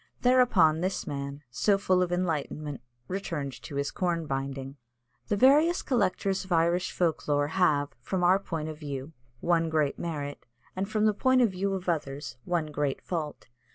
Thereupon this man, so full of enlightenment, returned to his corn binding. The various collectors of Irish folk lore have, from our point of view, one great merit, and from the point of view of others, one great fault.